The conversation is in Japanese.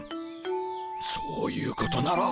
そういうことなら。